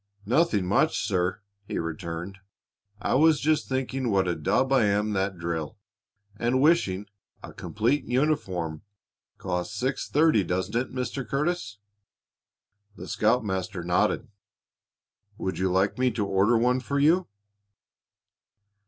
"Nothing much, sir," he returned. "I was just thinking what a dub I am at that drill, and wishing a complete uniform costs six thirty, doesn't it, Mr. Curtis?" The scoutmaster nodded. "Would you like me to order one for you?"